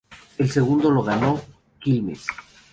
El segundo lo ganó Quilmes.